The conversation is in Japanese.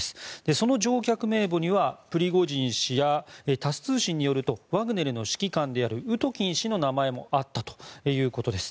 その乗客名簿にはプリゴジン氏やタス通信によるとワグネルの指揮官であるウトキン氏の名前もあったということです。